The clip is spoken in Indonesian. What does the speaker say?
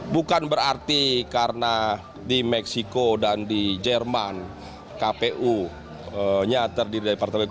bukan berarti karena di meksiko dan di jerman kpu nya terdiri dari partai politik